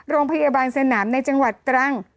โรงพยาบาลสนามในจังหวัดตรัง